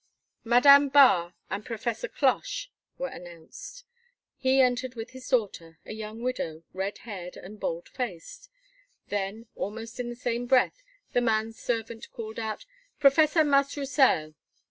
"Madame Barre and Professor Cloche" were announced. He entered with his daughter, a young widow, red haired and bold faced. Then, almost in the same breath, the manservant called out: "Professor Mas Roussel."